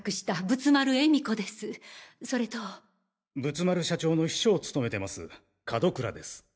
仏丸社長の秘書を務めてます門倉です。